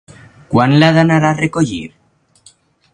Quan l'ha d'anar a recollir?